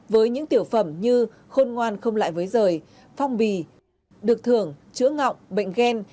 với những tiểu phẩm như khôn ngoan không lại với rời phong bì được thưởng chữa ngọng bệnh gen